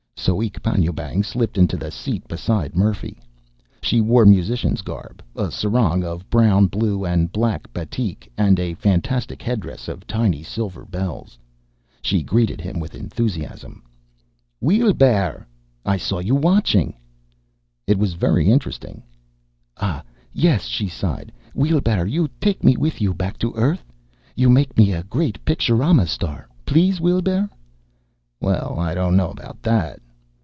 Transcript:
Soek Panjoebang slipped into the seat beside Murphy. She wore musician's garb: a sarong of brown, blue, and black batik, and a fantastic headdress of tiny silver bells. She greeted him with enthusiasm. "Weelbrrr! I saw you watching...." "It was very interesting." "Ah, yes." She sighed. "Weelbrrr, you take me with you back to Earth? You make me a great picturama star, please, Weelbrrr?" "Well, I don't know about that."